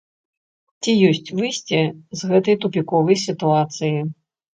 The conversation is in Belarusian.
Ці ёсць выйсце з гэтай тупіковай сітуацыі?